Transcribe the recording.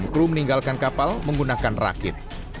kru meninggalkan kapal menggunakan rakit